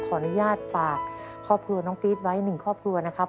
ขออนุญาตฝากครอบครัวน้องตี๊ดไว้๑ครอบครัวนะครับ